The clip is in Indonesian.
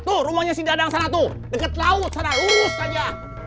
tuh rumahnya si dadang sana tuh deket laut sana lurus aja